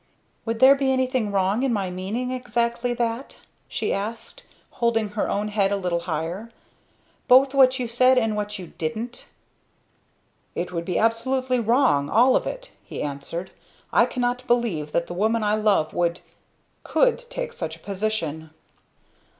"Would there be anything wrong in my meaning exactly that?" she asked, holding her own head a little higher; "both what you said and what you didn't?" "It would be absolutely wrong, all of it," he answered. "I cannot believe that the woman I love would could take such a position."